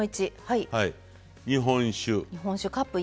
日本酒。